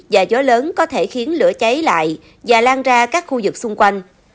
và gió lớn có thể khiến lửa cháy lại và lan ra các khu vực xung quanh